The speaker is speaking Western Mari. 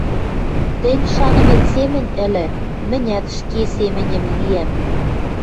— Тӹнь шанымет семӹнь ӹлӹ, мӹнят ӹшке семӹнем лиӓм.